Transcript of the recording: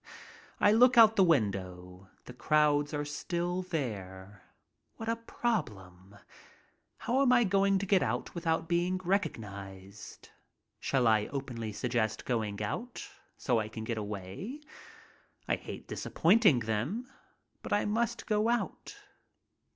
I look out the window. The crowds are still there. What a problem ! How am I going to get out without being recog nized? Shall I openly suggest going out, so I can get away? I hate disappointing them. But I must go out.